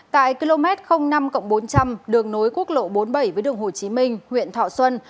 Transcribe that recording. tại km năm bốn trăm linh đường nối quốc lộ bốn mươi bảy với đường hồ chí minh huyện thọ xuân